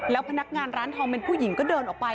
แล้วพนักงานร้านทองเป็นผู้หญิงก็เดินออกไป